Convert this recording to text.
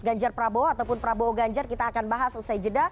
ganjar prabowo ataupun prabowo ganjar kita akan bahas usai jeda